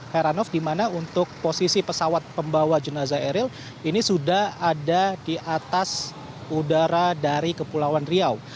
heranov di mana untuk posisi pesawat pembawa jenazah eril ini sudah ada di atas udara dari kepulauan riau